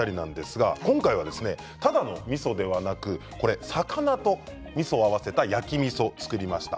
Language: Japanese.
ただ今回は、ただのみそではなく魚とみそを合わせて焼きみそを作りました。